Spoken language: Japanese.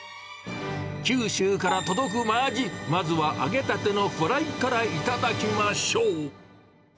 九州から届くマアジ、まずは揚げたてのフライから頂きましょう。